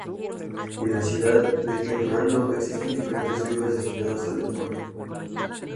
En la ciudad de Hernando existen diferentes clubes destinados al deporte.